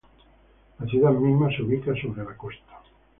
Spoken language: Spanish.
La ciudad misma se ubica sobre la costa.